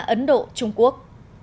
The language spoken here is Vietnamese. ấn độ trung quốc